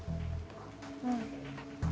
うん。